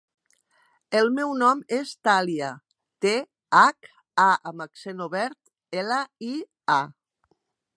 El meu nom és Thàlia: te, hac, a amb accent obert, ela, i, a.